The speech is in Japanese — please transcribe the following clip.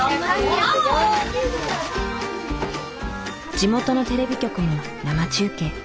地元のテレビ局も生中継。